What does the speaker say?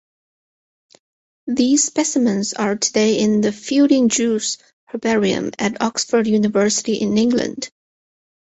These specimens are today in the Fielding-Druce Herbarium at Oxford University in England.